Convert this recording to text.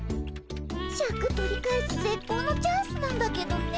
シャク取り返すぜっこうのチャンスなんだけどね。